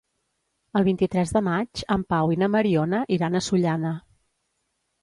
El vint-i-tres de maig en Pau i na Mariona iran a Sollana.